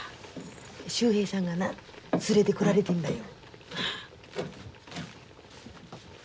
秀平さんがな連れてこられてんらよ。